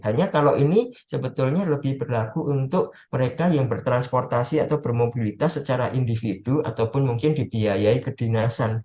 hanya kalau ini sebetulnya lebih berlaku untuk mereka yang bertransportasi atau bermobilitas secara individu ataupun mungkin dibiayai kedinasan